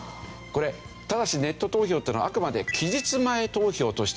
これただしネット投票っていうのはあくまで期日前投票としてやるわけですね。